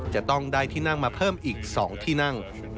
จะต้องได้ที่นั่งมาเพิ่มอีก๒ที่นั่ง